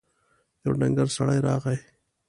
يو ډنګر سړی راغی.